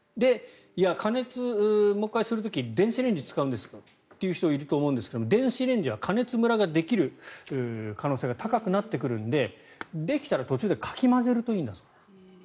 加熱もう１回する時電子レンジ使うんですという人いると思いますが電子レンジは加熱むらができる可能性が高くなってくるのでできたら途中でかき混ぜるといいんだそうです。